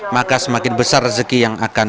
maka semakin besar rezeki yang akan